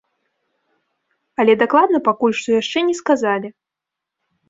Але дакладна пакуль што яшчэ не сказалі.